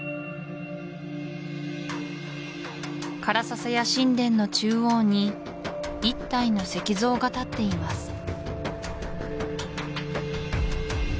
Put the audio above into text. カラササヤ神殿の中央に一体の石像が立っています